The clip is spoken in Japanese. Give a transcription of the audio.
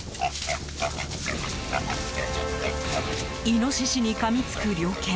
イノシシにかみつく猟犬。